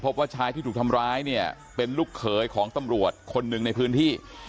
ว่าชายที่ถูกทำร้ายเนี่ยเป็นลูกเขยของตำรวจคนหนึ่งในพื้นที่